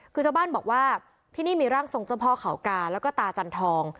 คือชาวบ้านบอกว่าที่นี่มีร่างทรงเจ้าพ่อเขากาแล้วก็ตาจันทอง